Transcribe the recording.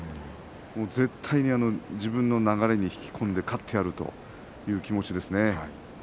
絶対に自分の流れに引き込んで勝ってやるという気持ちですね。